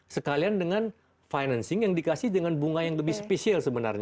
sekalian dengan financing yang dikasih dengan bunga yang lebih spesial sebenarnya